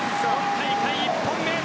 大会１本目。